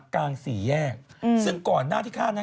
กลางสี่แยกซึ่งก่อนหน้าที่ฆ่านั้น